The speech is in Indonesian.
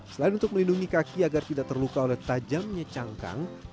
selain untuk melindungi kaki agar tidak terluka oleh tajamnya cangkang